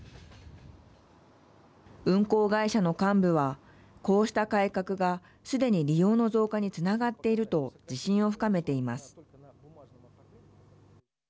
運行会社の幹部はこうした改革が、すでに利用の増加につながっていると自信を深めています。